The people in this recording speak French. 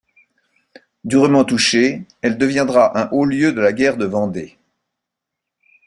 Durement touchée, elle deviendra un haut-lieu de la guerre de Vendée.